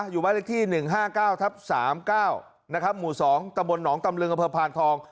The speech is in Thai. อยู่ไว้ที่๑๕๙ทับ๓๙นะครับหมู่๒ตะบลหนองตำรึงอเผอพาลทอง